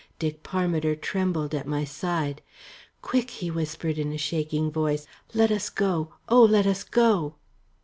Dick Parmiter trembled at my side. "Quick," he whispered in a shaking voice; "let us go! Oh, let us go!"